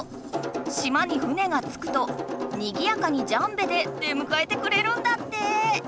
島に船がつくとにぎやかにジャンベで出むかえてくれるんだって。